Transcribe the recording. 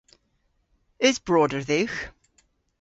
Eus broder dhywgh?